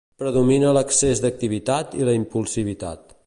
Predomina l'excés d'activitat i la impulsivitat.